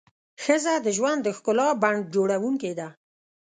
ښځه د ژوند د ښکلا بڼ جوړونکې ده.